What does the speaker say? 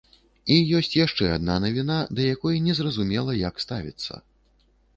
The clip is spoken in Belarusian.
І ёсць яшчэ адна навіна, да якой незразумела, як ставіцца.